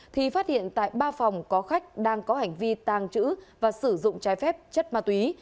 thì phát hiện tại ba phòng có khách đang có hành vi tàng trữ và sử dụng trái phép chất ma túy